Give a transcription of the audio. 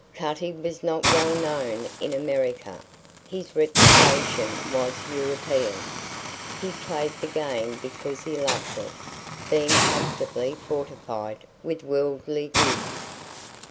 Cutty was not well known in America; his reputation was European. He played the game because he loved it, being comfortably fortified with worldly goods.